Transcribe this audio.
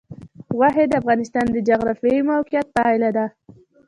غوښې د افغانستان د جغرافیایي موقیعت پایله ده.